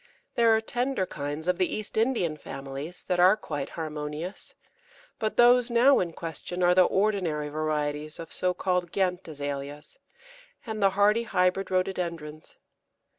There are tender kinds of the East Indian families that are quite harmonious, but those now in question are the ordinary varieties of so called Ghent Azaleas, and the hardy hybrid Rhododendrons.